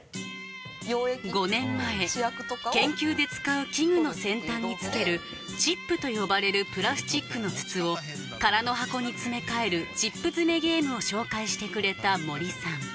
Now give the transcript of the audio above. ５年前研究で使う器具の先端に付けるチップと呼ばれるプラスチックの筒を空の箱に詰め替えるチップ詰めゲームを紹介してくれた森さん